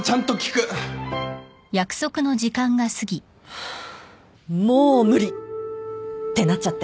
ハァもう無理！ってなっちゃって。